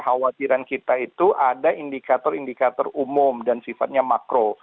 kekhawatiran kita itu ada indikator indikator umum dan sifatnya makro